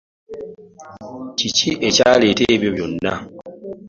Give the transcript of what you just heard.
Kiki akyaleta ebyo byonna?